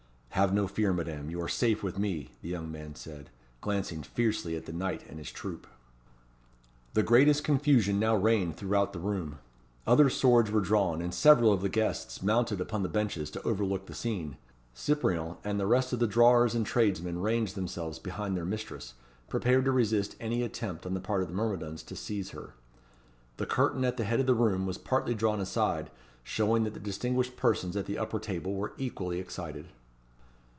"Have no fear, Madame, you are safe with me," the young man said, glancing fiercely at the knight and his troop. The greatest confusion now reigned throughout the room. Other swords were drawn, and several of the guests mounted upon the benches to overlook the scene. Cyprien, and the rest of the drawers and tradesmen ranged themselves behind their mistress, prepared to resist any attempt on the part of the myrmidons to seize her. The curtain at the head of the room was partly drawn aside, showing that the distinguished persons at the upper table were equally excited.